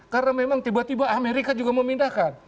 karena memang tiba tiba amerika juga memindahkan